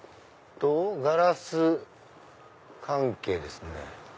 ガラス関係ですね。